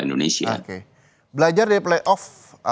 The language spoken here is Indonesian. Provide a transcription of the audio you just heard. indonesia belajar dari playoff